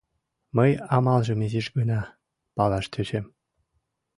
Мый амалжым изиш гына палаш тӧчем...